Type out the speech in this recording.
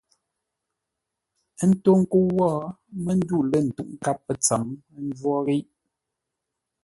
Ə́ ntó ńkə́u wó mə́ ndû lə̂ ntə́uʼ nkâp pə̂ ntsəm; ə́ njwó ghíʼ.